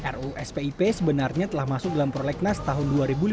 ru spip sebenarnya telah masuk dalam prolegnas tahun dua ribu lima belas dua ribu sembilan belas